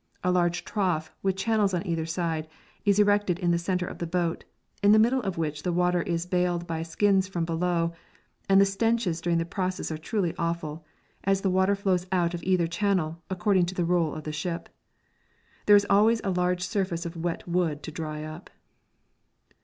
A large trough, with channels on either side, is erected in the centre of the boat, into the middle of which the water is baled by skins from below, and the stenches during the process are truly awful, as the water flows out of either channel, according to the roll of the ship. There was always a large surface of wet wood to dry up.